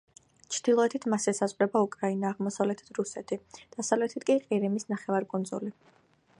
ჩრდილოეთით მას ესაზღვრება უკრაინა, აღმოსავლეთით რუსეთი, დასავლეთით კი ყირიმის ნახევარკუნძული.